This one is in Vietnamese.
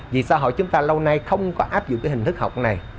vì xã hội chúng ta lâu nay không có áp dụng cái hình thức học này